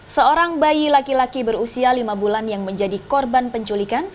seorang bayi laki laki berusia lima bulan yang menjadi korban penculikan